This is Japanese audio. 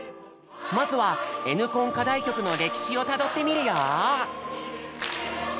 まずは「Ｎコン」課題曲の歴史をたどってみるよ！